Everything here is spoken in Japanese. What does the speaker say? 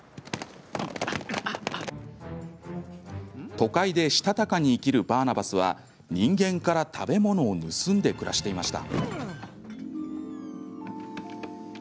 都会で、したたかに生きるバーナバスは人間から食べ物を盗んで暮らしていました。